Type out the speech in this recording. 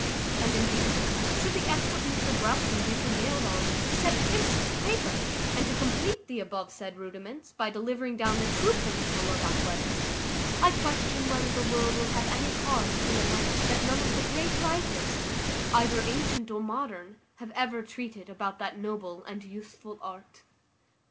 And, indeed, should the excellent Mr Broughton be prevailed on to set fist to paper, and to complete the above said rudiments, by delivering down the true principles of athletics, I question whether the world will have any cause to lament, that none of the great writers, either antient or modern, have ever treated about that noble and useful art.